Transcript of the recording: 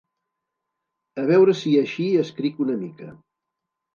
A veure si així escric una mica.